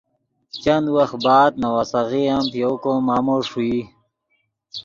چند وخت بعد نواسیغے ام پے یؤ کو مامو ݰوئی